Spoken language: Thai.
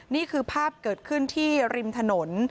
นี่คือภาพเกิดขึ้นที่ริมถนน